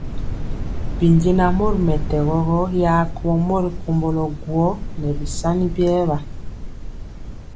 Binjɛnaŋ mori mɛtɛgɔ gɔ ya kumɔ mori komblo guó nɛ bisani biewa.